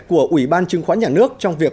của ủy ban chứng khoán nhà nước trong việc